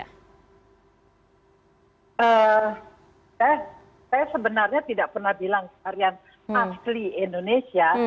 saya sebenarnya tidak pernah bilang varian asli indonesia